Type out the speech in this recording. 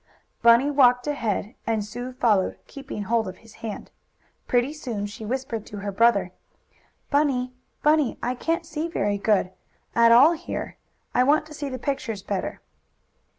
Bunny walked ahead, and Sue followed, keeping hold of his hand. Pretty soon she whispered to her brother: "Bunny! Bunny! I can't see very good at all here. I want to see the pictures better."